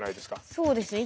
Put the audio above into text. そうですね。